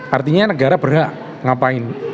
artinya negara berhak ngapain